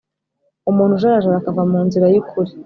Umuntu ujarajara akava mu nzira yukuri